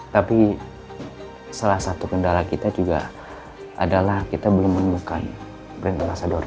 terus aku sekarang jadi bren ambasador